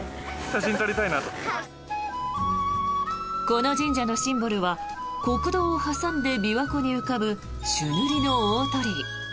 この神社のシンボルは国道を挟んで琵琶湖に浮かぶ朱塗りの大鳥居。